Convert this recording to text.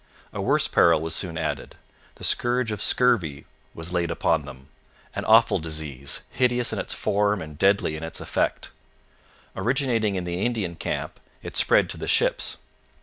A worse peril was soon added. The scourge of scurvy was laid upon them an awful disease, hideous in its form and deadly in its effect. Originating in the Indian camp, it spread to the ships.